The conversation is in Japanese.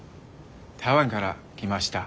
台湾から来ました。